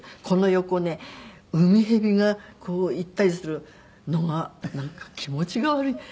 この横ねウミヘビがこう行ったりするのがなんか気持ちが悪い。